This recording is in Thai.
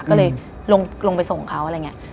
ก็เลยลงไปส่งเขาอะไรอย่างนี้